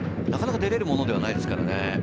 なかなか出れるものではないですからね。